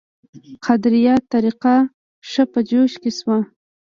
قادریه طریقه ښه په جوش کې شوه.